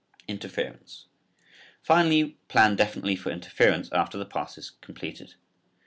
INTERFERENCE. Finally, plan definitely for interference after the pass is completed.